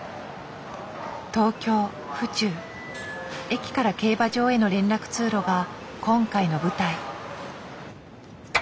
駅から競馬場への連絡通路が今回の舞台。